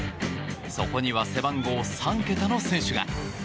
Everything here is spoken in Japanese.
そこには背番号３桁の選手が。